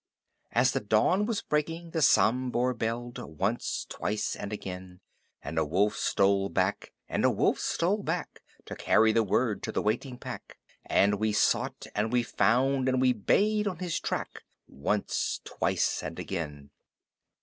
As the dawn was breaking the Sambhur belled Once, twice and again! And a wolf stole back, and a wolf stole back To carry the word to the waiting pack, And we sought and we found and we bayed on his track Once, twice and again!